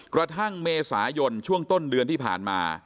กระทั่งเมษายนช่วงต้นเดือนที่ผ่านมา